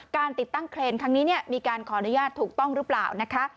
ติดตั้งเครนครั้งนี้มีการขออนุญาตถูกต้องหรือเปล่านะคะ